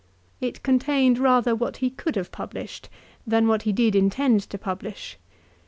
It contained rather what he could have published, than what he did intend to publish.